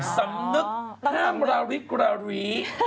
สำนึกห้ามราริกรารี